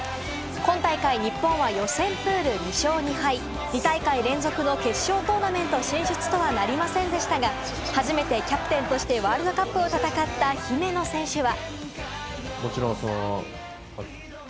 今大会、日本は予選プール２勝２敗、２大会連続の決勝トーナメント進出とはなりませんでしたが、初めてキャプテンとしてワールドカップを戦った姫野選手は。